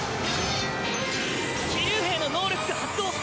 騎竜兵の能力が発動。